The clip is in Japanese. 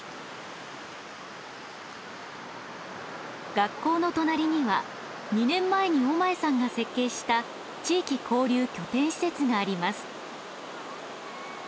学校の隣には２年前に尾前さんが設計した地域交流拠点施設があります。